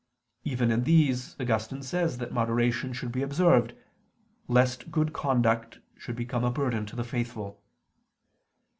Even in these Augustine says that moderation should be observed, lest good conduct should become a burden to the faithful.